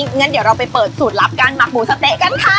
งั้นเดี๋ยวเราไปเปิดสูตรลับการหมักหมูสะเต๊ะกันค่ะ